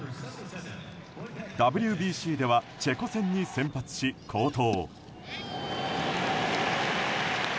ＷＢＣではチェコ戦に先発し好投。